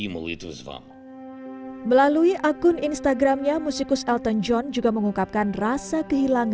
timur itu dingin melalui akun instagramnya biasanya untuk remember esak hilang